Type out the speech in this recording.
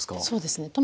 そうですね